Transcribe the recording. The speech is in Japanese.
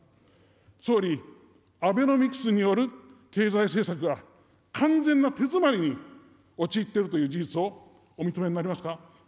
総理、アベノミクスによる経済政策が完全な手詰まりに陥っているという事実をお認めになりますか。